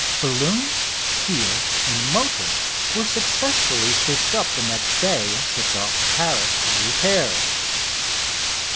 Balloon, keel, and motor were successfully fished up the next day and shipped off to Paris for repairs.